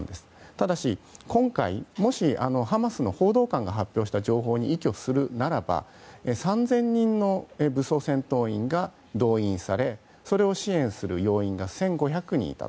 ただし、今回もしハマスの報道官が発表した情報に依拠するならば３０００人の武装戦闘員が動員されそれを支援する要員が１５００人いた。